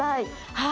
はい。